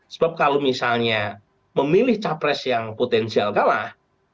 sebab kalau misalnya memilih capres yang potensial kalah